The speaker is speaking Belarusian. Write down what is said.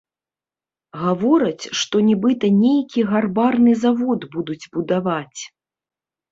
Гавораць, што нібыта нейкі гарбарны завод будуць будаваць.